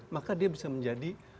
maka dia bisa menjadi